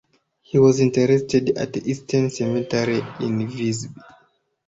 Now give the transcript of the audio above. He was interred at the Eastern Cemetery in Visby.